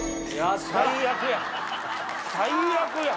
最悪やん！